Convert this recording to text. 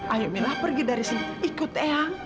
ayo milah pergi dari sini ikut eyang